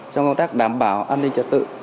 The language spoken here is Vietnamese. trong công tác đảm bảo an ninh trật tự